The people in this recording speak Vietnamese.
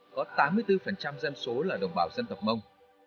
có tám mươi bốn dân số là đồng bào dân tộc mông